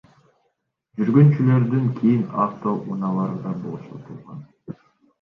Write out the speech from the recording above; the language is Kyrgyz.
Жүргүнчүлөрдөн кийин автоунаалар да бошотулган.